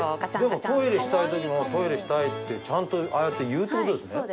でもトイレしたい時も「トイレしたい」ってちゃんとああやって言うって事ですね。